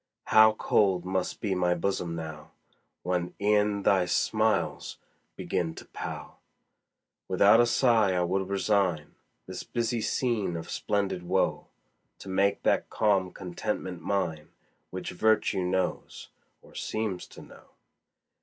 How cold must be my bosom now, When e'en thy smiles begin to pall! Without a sigh I would resign This busy scene of splendid woe, To make that calm contentment mine, Which virtue knows, or seems to know.